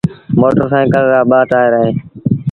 موٽر سآئيٚڪل رآٻآ ٽآئير اوهيݩ۔